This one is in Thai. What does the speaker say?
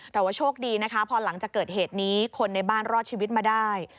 แต่ว่าโชคดีนะคะพอหลังจากเกิดเหตุนี้คนในบ้านรอดชีวิตมาได้